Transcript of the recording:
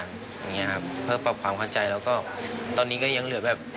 อย่างนี้ครับเพื่อปรับความเข้าใจแล้วก็ตอนนี้ก็ยังเหลือแบบ